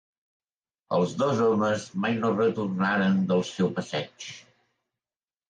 Els dos homes mai no retornaren del seu passeig.